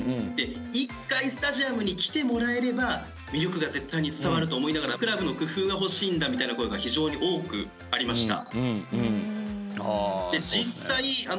一回スタジアムに来てもらえれば魅力が絶対に伝わると思いながらクラブの工夫が欲しいんだみたいな声が非常に多くありました。